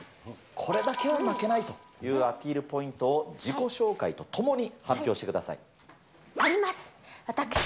これだけは負けないというアピールポイントを自己紹介とともに発表してください。あります！